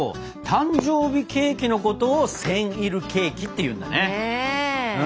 誕生日ケーキのことをセンイルケーキっていうんだね！